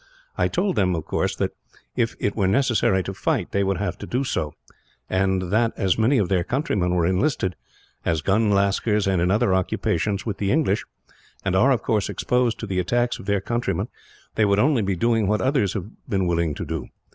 "I told them, of course, that if it were necessary to fight, they would have to do so; and that, as many of their countrymen were enlisted, as gun lascars and in other occupations, with the English; and are, of course, exposed to the attacks of their countrymen, they would only be doing what others have been willing to do.